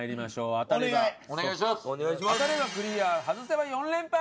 当たればクリア外せば４連敗！